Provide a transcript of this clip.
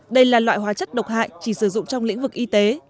đây là loại hóa chất độc hại chỉ sử dụng trong lĩnh vực y tế